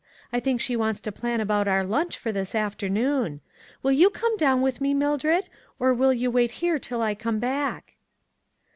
I think she wants to plan about our lunch for this afternoon ; will you come down with me, Mildred, or will you wait here till I come back